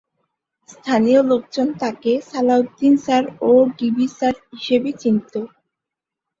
স্থানীয় লোকজন তাঁকে সালাউদ্দিন স্যার ও ডিবি স্যার হিসেবে চিনত।